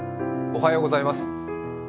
おはようございます。